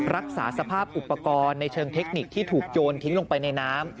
รักษาสภาพอุปกรณ์ในเชิงเทคนิคที่ถูกโยนทิ้งลงไปในน้ำ